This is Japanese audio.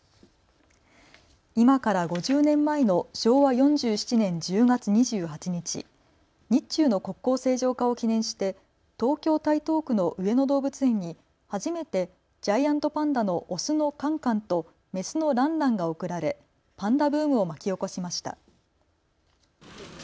今から５０年前の昭和４７年１０月２８日、日中の国交正常化を記念して東京台東区の上野動物園に初めてジャイアントパンダのオスのカンカンとメスのランランが贈られパンダブームを巻き起こしました。